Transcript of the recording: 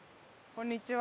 こんにちは。